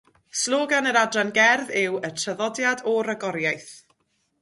Slogan yr adran gerdd yw, "Y Traddodiad o Ragoriaeth".